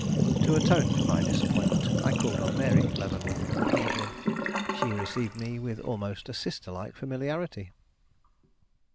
To atone for my disappointment, I called on Mary Leavenworth in the evening. She received me with almost a sister like familiarity.